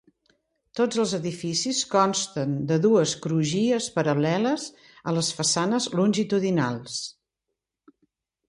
Tots els edificis consten de dues crugies paral·leles a les façanes longitudinals.